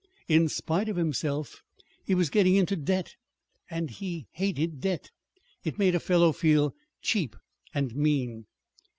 In spite of himself he was getting into debt, and he hated debt. It made a fellow feel cheap and mean.